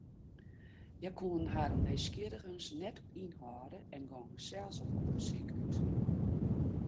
Hja koene harren nijsgjirrigens net ynhâlde en gongen sels op ûndersyk út.